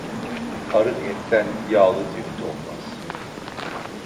Arık etten yağlı tirit olmaz.